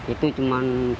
itu cuman rp tujuh